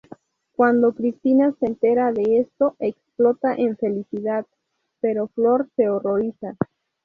Cuando Cristina se entera de esto, explota en felicidad, pero Flor se horroriza.